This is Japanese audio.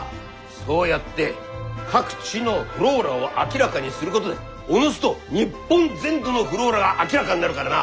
そうやって各地のｆｌｏｒａを明らかにすることでおのずと日本全土のｆｌｏｒａが明らかになるからな！